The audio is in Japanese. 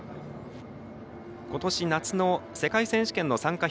ことし夏の世界選手権の参加